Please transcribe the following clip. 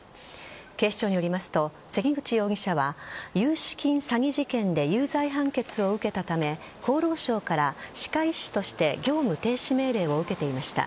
警視庁によりますと関口容疑者は融資金詐欺事件で有罪判決を受けたため厚労省から歯科医師として業務停止命令を受けていました。